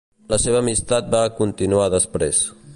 La seva amistat va continuar després.